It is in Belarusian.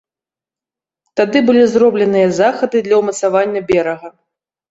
Тады былі зробленыя захады для ўмацавання берага.